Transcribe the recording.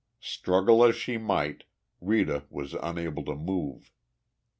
Struggle as she might, Rita was unable to move.